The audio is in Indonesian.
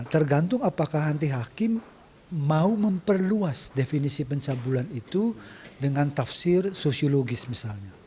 tergantung apakah nanti hakim mau memperluas definisi pencabulan itu dengan tafsir sosiologis misalnya